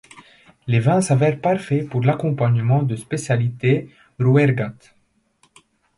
Les vins s'avèrent parfaits pour l'accompagnement de spécialités rouergates.